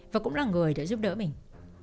và cũng là người đã giúp đỡ mình